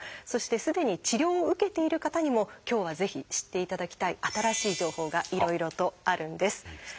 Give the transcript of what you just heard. そしてすでに治療を受けている方にも今日はぜひ知っていただきたい新しい情報がいろいろとあるんです。